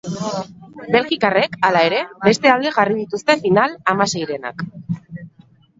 Belgikarrek, hala ere, bere alde jarri dituzte final-hamaseirenak.